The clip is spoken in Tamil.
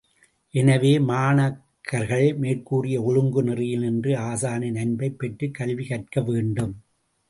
எனவே, மாணாக்கர்கள் மேற்கூறிய ஒமுங்கு நெறியில் நின்று ஆசானின் அன்பைப் பெற்றுக் கல்வி கற்க வேண்டும்.